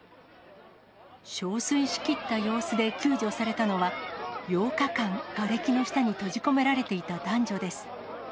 しょうすいしきった様子で救助されたのは、８日間、がれきの下に閉じ込められていた男女です。